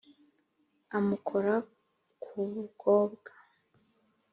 amukora ku bukobwa